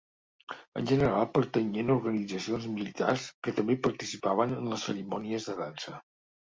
En general, pertanyien a organitzacions militars que també participaven en les cerimònies de dansa.